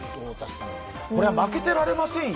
これは負けてられませんよ。